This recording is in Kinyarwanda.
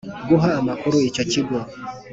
guha amakuru icyo kigo